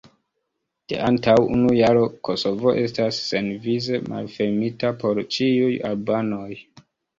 De antaŭ unu jaro, Kosovo estas senvize malfermita por ĉiuj albanoj.